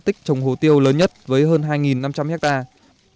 tích trồng hồ tiêu lớn nhất với hơn hai năm trăm linh hectare